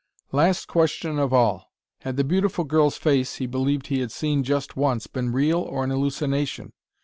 Last question of all: had the beautiful girl's face he believed he had seen just once, been real or an hallucination?